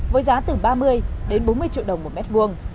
với giá từ ba mươi đến bốn mươi triệu đồng một mét vuông